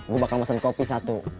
gue bakal masak kopi satu